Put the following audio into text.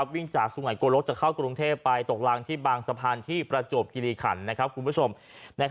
วิ่งจากสุงใหม่โกลกจะเข้ากรุงเทพไปตกรางที่บางสะพานที่ประจบกิริขัน